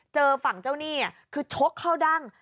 เจอฝั่งเจ้าหนี้คือชกเข้าดั้ง